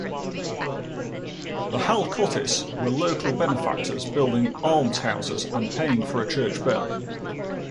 The Hallcottis' were local benefactors, building almshouses and paying for a church bell.